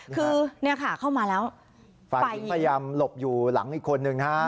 คือเนี่ยค่ะเข้ามาแล้วฝ่ายหญิงพยายามหลบอยู่หลังอีกคนนึงฮะ